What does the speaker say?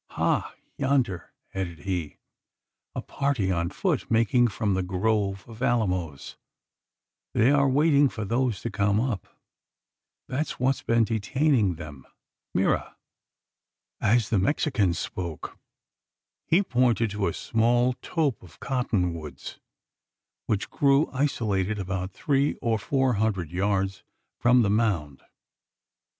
"Ha, yonder!" added he, "a party on foot making from the grove of alamos! They are waiting for those to come up that's what's been detaining them. Mira!" As the Mexican spoke, he pointed to a small tope of cotton woods, which grew isolated about three or four hundred yards from the mound.